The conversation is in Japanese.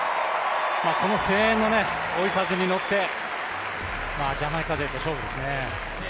この声援の追い風に乗って、ジャマイカ勢と勝負ですね。